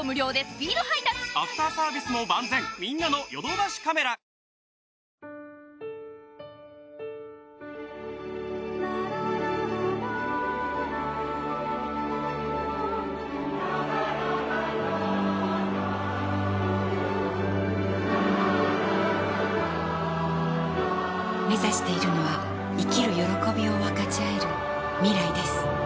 ラララめざしているのは生きる歓びを分かちあえる未来です